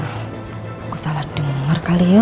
kak ini aku salah denger kali ya